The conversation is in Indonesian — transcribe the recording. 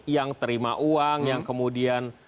yang terima uang yang kemudian